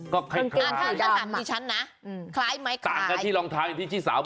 คล้ายต่างกับที่รองเท้าที่สาวบอก